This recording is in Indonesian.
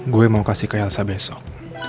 gue mau kasih ke elsa besok